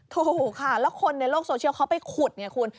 ถูกค่ะแล้วคนในโลกโซเชียลเขาไปขุดไงคุณ